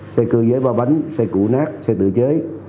xe cơ giới ba bánh xe củ nát xe tự chế